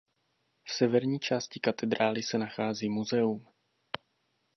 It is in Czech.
V severní části katedrály se nachází muzeum.